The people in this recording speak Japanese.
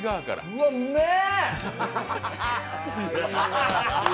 うわっ、うめえ！